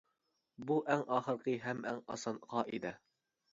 بۇ ئەڭ ئاخىرقى ھەم ئەڭ ئاسان قائىدە.